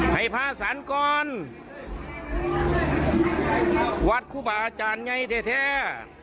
ให้พระสรรค์ก่อนวัดคุบาอาจารย์ไงแท้แท้